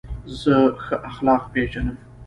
زه ښه اخلاق پېژنم.